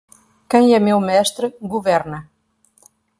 Quem é meu mestre, governa